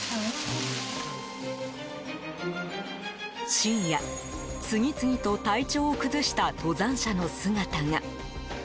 深夜、次々と体調を崩した登山者の姿が。